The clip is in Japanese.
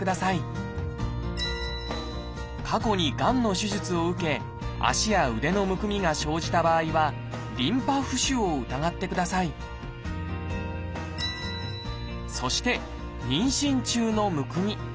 過去にがんの手術を受け足や腕のむくみが生じた場合はリンパ浮腫を疑ってくださいそして妊娠中のむくみ。